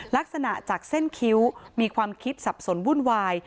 ลักษณะจากเส้นคิ้วมีความคิดสับสนวุ่นวาย